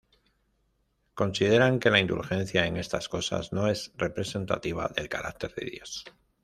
Consideran que la indulgencia en estas cosas no es representativa del carácter de Dios.